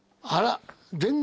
あら！